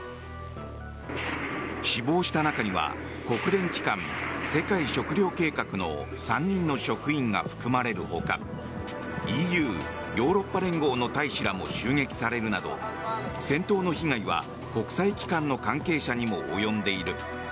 死亡した中には国連機関・世界食糧計画の３人の職員が含まれる他ＥＵ・ヨーロッパ連合の大使らも襲撃されるなど戦闘の被害は、国際機関の関係者にも及んでいる。